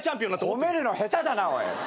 褒めるの下手だなおい！